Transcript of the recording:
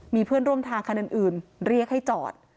มีเพื่อนร่วมทางคันอื่นเรียกให้จอด